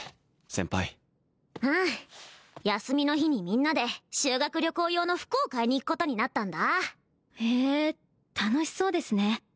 先輩うん休みの日にみんなで修学旅行用の服を買いに行くことになったんだへえ楽しそうですね